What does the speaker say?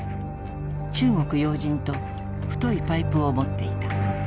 中国要人と太いパイプを持っていた。